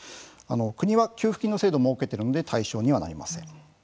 国は給付金の制度を設けているので対象にはなりません。